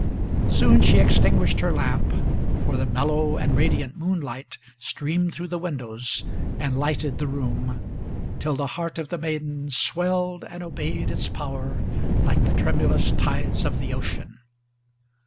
Soon she extinguished her lamp, for the mellow and radiant moonlight Streamed through the windows, and lighted the room, till the heart of the maiden Swelled and obeyed its power, like the tremulous tides of the ocean.